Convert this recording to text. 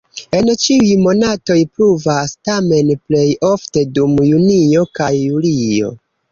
En ĉiuj monatoj pluvas, tamen plej ofte dum junio kaj julio.